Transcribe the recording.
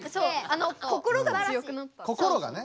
心がね。